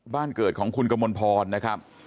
บ้านเกิดของคุณกมลพรนะครับ